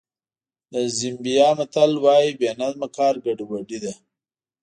د زیمبیا متل وایي بې نظمه کار ګډوډي ده.